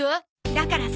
だからさ。